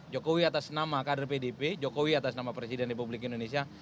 jokowi atas nama kader pdp jokowi atas nama presiden republik indonesia